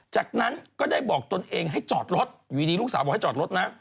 จากนั้นก็ได้บอกตนเองให้จอดรถอยู่ดีลูกสาวบอกให้จอดรถนะ